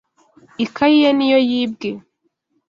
Ikayi ye ni yo yibwe.